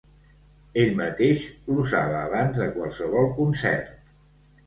Ell mateix l'usava abans de qualsevol concert.